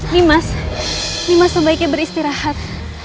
nih mas nih mas sebaiknya beristirahat